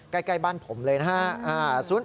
ใกล้บ้านผมเลยนะฮะ